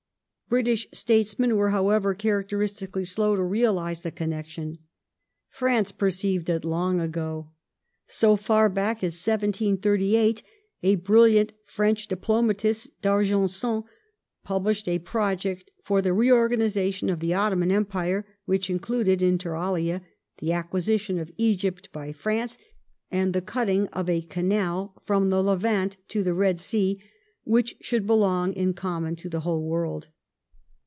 British statesmen were, however, characteristically slow to realize the 12 INTRODUCTORY [1815 connection. France perceived it long ago. So far back as 1738 a brilliant French diplomatist — D'Argenson — published a project for the reorganization of the Ottoman Empire, which included, inter alia, the acquisition of Egypt by France, and the cutting of a canal from the Levant to the Red Sea which should belong in common to the whole world.